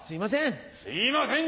すいません！